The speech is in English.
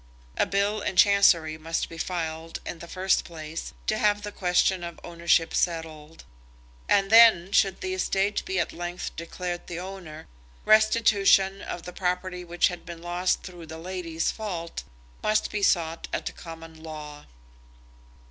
A bill in Chancery must be filed, in the first place, to have the question of ownership settled; and then, should the estate be at length declared the owner, restitution of the property which had been lost through the lady's fault must be sought at Common Law.